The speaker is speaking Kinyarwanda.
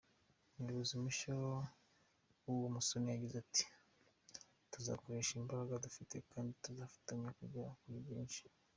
Umuyobozi mushya wawo Musoni yagize ati“Tuzakoresha imbaraga dufite kandi tuzafatanya kugera kuri byinshi.